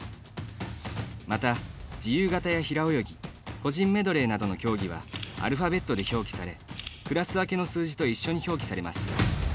また自由形や平泳ぎ個人メドレーなどの競技はアルファベットで表記されクラス分けの数字と一緒に表記されます。